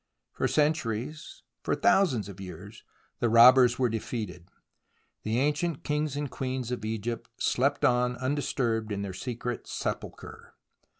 For centuries, for thousands of years, the robbers were defeated ; the ancient kings and queens of Egypt slept on undisturbed in their secret sepulchre.